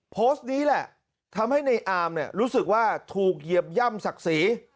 โพสต์นี้แหละทำให้ในอามเนี่ยรู้สึกว่าถูกเหยียบย่ำศักดิ์ศรี